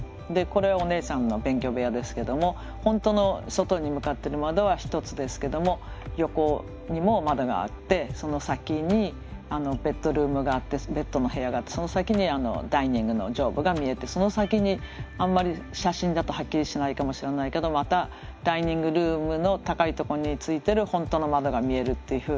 これはお姉さんの勉強部屋ですけども本当の外に向かってる窓は一つですけども横にも窓があってその先にベッドルームがあってベッドの部屋があってその先にダイニングの上部が見えてその先にあんまり写真だとはっきりしないかもしれないけどまたダイニングルームの高いとこについてる本当の窓が見えるっていうふうに。